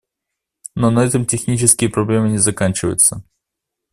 Но на этом технические проблемы не заканчиваются.